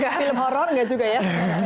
film horor enggak juga ya